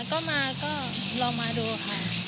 ก็มาก็ลองมาดูค่ะ